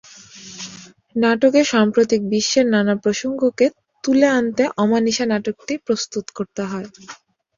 নাটকে সাম্প্রতিক বিশ্বের নানা প্রসঙ্গকে তুলে আনতে অমানিশা নাটকটি প্রস্তুত করতে হয়।